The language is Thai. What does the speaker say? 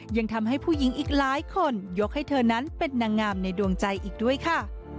ยังทำให้ผู้หญิงอีกหลายคนยกให้เธอนั้นเป็นนางงามในดวงใจอีกด้วยค่ะ